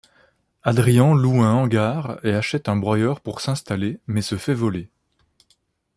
Adrian loue un hangar et achète un broyeur pour s'installer mais se fait voler.